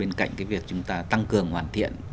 bên cạnh cái việc chúng ta tăng cường hoàn thiện